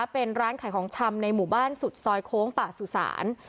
เป็นร้านขายของชำในหมู่บ้านสุดซอยโค้งป่าสุสาน